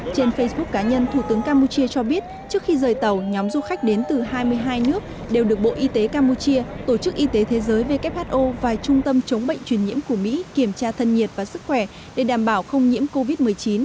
trên facebook cá nhân thủ tướng campuchia cho biết trước khi rời tàu nhóm du khách đến từ hai mươi hai nước đều được bộ y tế campuchia tổ chức y tế thế giới who và trung tâm chống bệnh truyền nhiễm của mỹ kiểm tra thân nhiệt và sức khỏe để đảm bảo không nhiễm covid một mươi chín